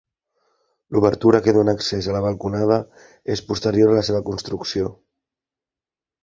L'obertura que dóna accés a la balconada és posterior a la seva construcció.